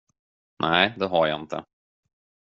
Nej, det har jag inte.